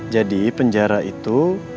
jadi penjara itu